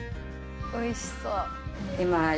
おいしそう。